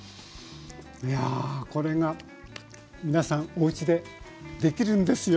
いやあこれが皆さんおうちでできるんですよ。